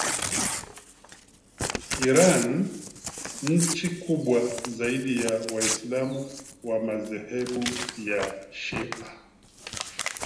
Iran nchi kubwa zaidi ya waislam wa madhehebu ya shia